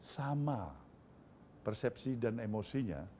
sama persepsi dan emosinya